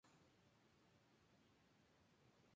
Murió por una bomba colocada en su embarcación en el Tigre.